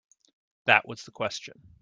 That was the question.